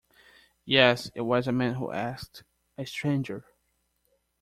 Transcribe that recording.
Yes, it was a man who asked, a stranger.